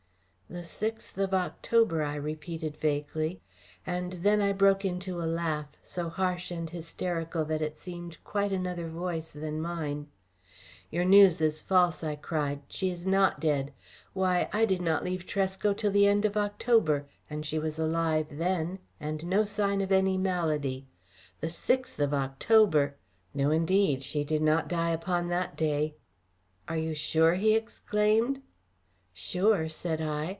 "The sixth of October," I repeated vaguely, and then I broke into a laugh, so harsh and hysterical that it seemed quite another voice than mine. "Your news is false," I cried; "she is not dead! Why, I did not leave Tresco till the end of October, and she was alive then and no sign of any malady. The sixth of October! No, indeed, she did not die upon that day." "Are you sure?" he exclaimed. "Sure?" said I.